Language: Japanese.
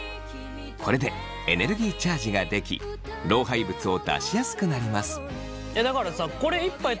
これでエネルギーチャージができ老廃物を出しやすくなります。